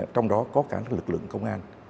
trong đó có cả lực lượng công an